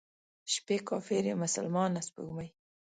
شپې کافرې، مسلمانه سپوږمۍ،